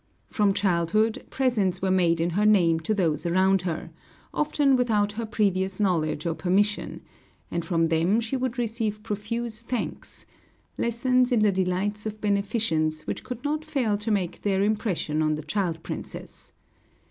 From childhood, presents were made in her name to those around her, often without her previous knowledge or permission, and from them she would receive profuse thanks, lessons in the delights of beneficence which could not fail to make their impression on the child princess.